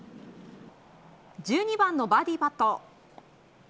１２番のバーディーパット。